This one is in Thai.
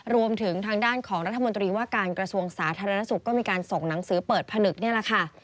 รวมถึงทางด้านของรัฐมนตรีว่าการกระทรวงสาธารณสุขก็มีการส่งหนังสือเปิดผนึกนี่แหละค่ะ